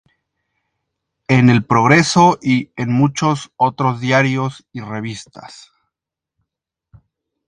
Colaboró en "El Motín", en "El Progreso" y en muchos otros diarios y revistas.